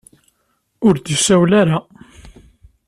Ur d-isawel ara.